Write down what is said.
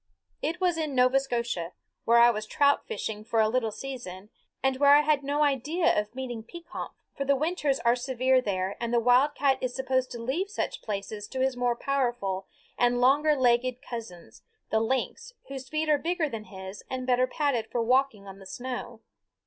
It was in Nova Scotia, where I was trout fishing for a little season, and where I had no idea of meeting Pekompf, for the winters are severe there and the wildcat is supposed to leave such places to his more powerful and longer legged cousin, the lynx, whose feet are bigger than his and better padded for walking on the snow.